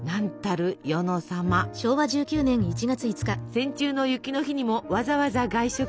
戦中の雪の日にもわざわざ外食。